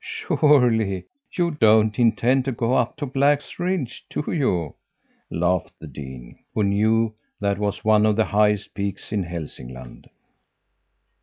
"'Surely you don't intend to go up to Black's Ridge, do you?' laughed the dean, who knew that was one of the highest peaks in Hälsingland.